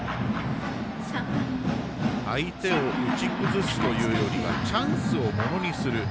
相手を打ち崩すというよりはチャンスをものにする。